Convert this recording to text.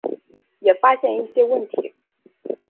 也发现一些问题